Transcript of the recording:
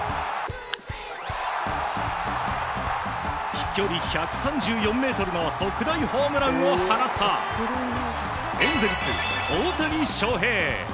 飛距離１３４ｍの特大ホームランを放ったエンゼルス、大谷翔平。